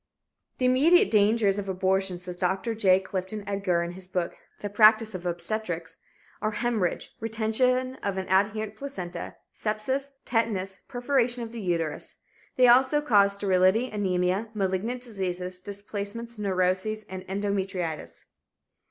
"The immediate dangers of abortion," says Dr. J. Clifton Edgar, in his book, "The Practice of Obstetrics," "are hemorrhage, retention of an adherent placenta, sepsis, tetanus, perforation of the uterus. They also cause sterility, anemia, malignant diseases, displacements, neurosis, and endometritis."